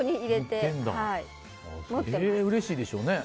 うれしいでしょうね。